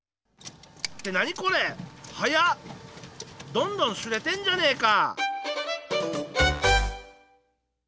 どんどん刷れてんじゃねえか！